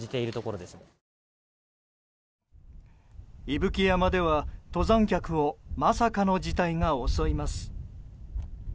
伊吹山では、登山客をまさかの事態が襲います。